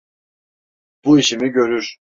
Bu işimi görür.